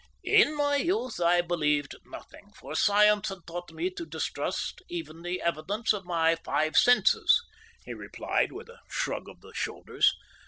"In my youth I believed nothing, for science had taught me to distrust even the evidence of my five senses," he replied, with a shrug of the shoulders.